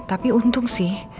eh tapi untung sih